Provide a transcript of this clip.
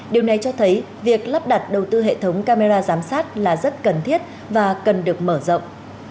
điều này cho thấy việc lắp đặt đầu tư hệ thống camera giám sát là rất cần thiết và cần được mở rộng